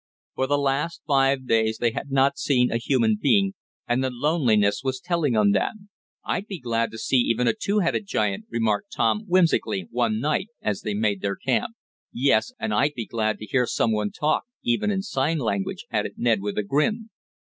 For the last five days they had not seen a human being, and the loneliness was telling on them. "I'd be glad to see even a two headed giant," remarked Tom whimsically one night as they made their camp. "Yes, and I'd be glad to hear someone talk, even in the sign language," added Ned, with a grin.